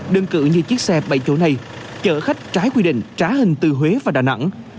đơn cử như chiếc xe bảy chỗ này chở khách trái quy định trả hình từ huế và đà nẵng